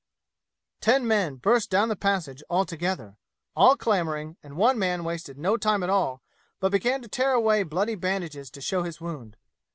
Ten men burst down the passage all together, all clamoring, and one man wasted no time at all but began to tear away bloody bandages to show his wound.